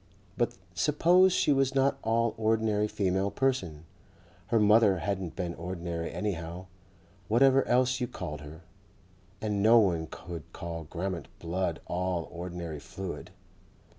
But suppose she was not all ordinary female person.... Her mother hadn't been ordinary anyhow, whatever else you called her, and no one could call Grammont blood all ordinary fluid.